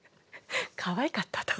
かわいかったと。